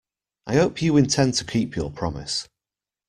I hope you intend to keep your promise.